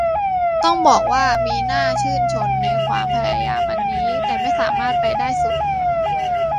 ต้องบอกว่ามีน่าชื่นชนในความพยายามอันนี้ แต่ไม่สามารถไปได้สุด